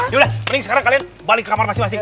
yaudah mending sekarang kalian balik ke kamar masing masing